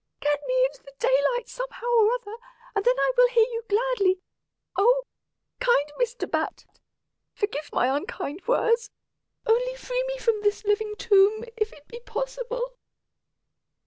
"Get me into the daylight somehow or other, and then I will hear you gladly. Oh! kind Mr. Bat, forgive my unkind words; only free me from this living tomb, if it be possible."